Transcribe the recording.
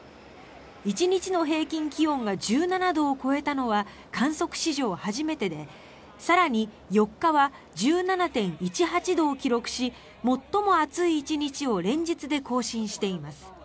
１日の平均気温が１７度を超えたのは観測史上初めてで、更に４日は１７．１８度を記録し最も暑い１日を連日で更新しています。